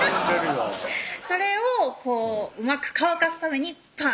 それをこううまく乾かすためにパーン！